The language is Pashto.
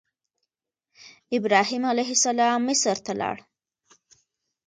ابراهیم علیه السلام مصر ته لاړ.